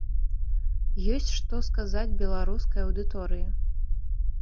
Ёсць што сказаць беларускай аўдыторыі?